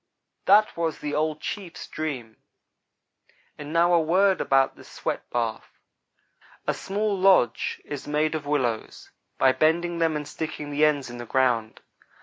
That was the old chief's dream and now a word about the sweat bath. A small lodge is made of willows, by bending them and sticking the ends in the ground.